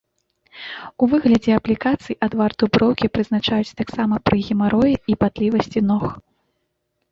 У выглядзе аплікацый адвар дуброўкі прызначаюць таксама пры гемароі і патлівасці ног.